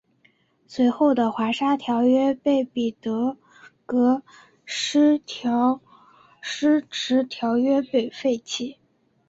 随后的华沙条约使彼得戈施迟条约被废弃。